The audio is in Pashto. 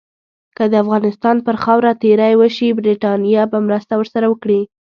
که د افغانستان پر خاوره تیری وشي، برټانیه به مرسته ورسره وکړي.